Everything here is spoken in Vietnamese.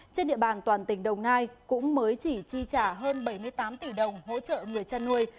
trên địa bàn toàn tỉnh đồng nai cũng mới chỉ chi trả hơn bảy mươi tám tỷ đồng hỗ trợ người chăn nuôi